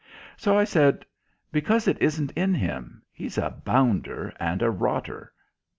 So I said, "Because it isn't in him. He's a bounder and a rotter."